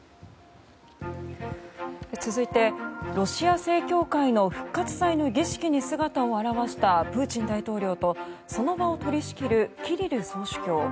続いてロシア正教会の復活祭の儀式に姿を現したプーチン大統領とその場を取り仕切るキリル総主教。